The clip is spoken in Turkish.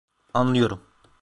Anlıyorum...